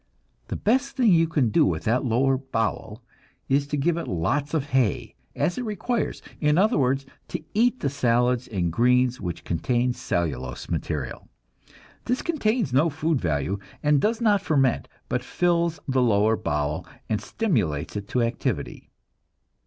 The best thing you can do with that lower bowel is to give it lots of hay, as it requires; in other words, to eat the salads and greens which contain cellulose material. This contains no food value, and does not ferment, but fills the lower bowel and stimulates it to activity.